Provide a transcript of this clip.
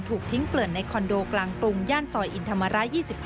ถูกทิ้งเกลื่อนในคอนโดกลางกรุงย่านซอยอินธรรมระ๒๕